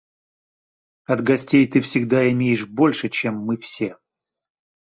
От гостей ты всегда имеешь больше, чем мы все